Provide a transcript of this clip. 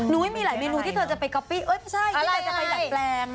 นุ๊ยมีหลายเมนูที่เธอจะไปโกปี้เอ้ยใช่ที่จะไปยัดแปลง